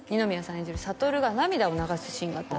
演じる悟が涙を流すシーンがあったんですよ